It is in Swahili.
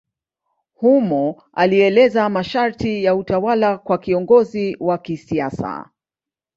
Humo alieleza masharti ya utawala kwa kiongozi wa kisiasa.